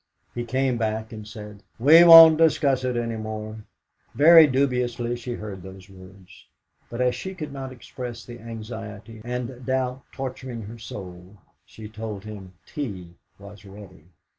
He came back, and said: "We won't discuss it any more." Very dubiously she heard those words, but as she could not express the anxiety and doubt torturing her soul, she told him tea was ready.